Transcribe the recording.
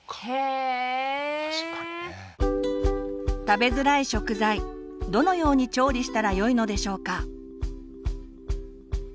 食べづらい食材どのように調理したらよいのでしょうか。